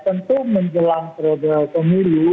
tentu menjelang periode kemulia